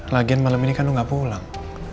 lagian malam ini kan lu gak pulang